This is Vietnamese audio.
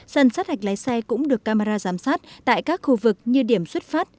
sân sát hạch lái xe cũng được camera giám sát tại các khu vực như điểm xuất phát